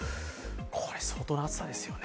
これは相当な暑さですよね。